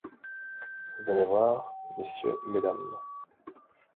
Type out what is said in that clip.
Venez voir, messieurs, mesdames!